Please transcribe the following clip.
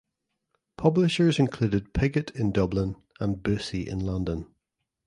Publishers included Pigott in Dublin and Boosey in London.